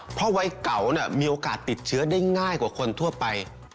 เพราะวัยเก่ามีโอกาสติดเชื้อได้ง่ายกว่าคนทั่วไป